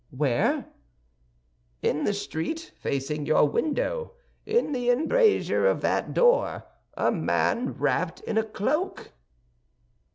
"Where?" "In the street, facing your window, in the embrasure of that door—a man wrapped in a cloak."